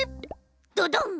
ドドン！